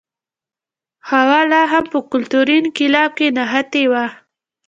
هوا لا هم په کلتوري انقلاب کې نښتی و.